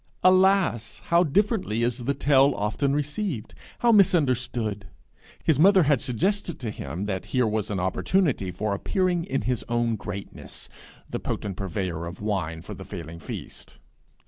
Alas, how differently is the tale often received! how misunderstood! His mother had suggested to him that here was an opportunity for appearing in his own greatness, the potent purveyor of wine for the failing feast.